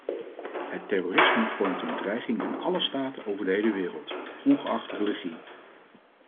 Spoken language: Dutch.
Het terrorisme vormt een bedreiging in alle staten over de hele wereld, ongeacht religie.